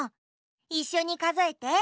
いっしょにかぞえて。